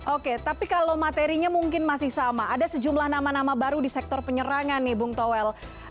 oke tapi kalau materinya mungkin masih sama ada sejumlah nama nama baru di sektor penyerangan nih bung towel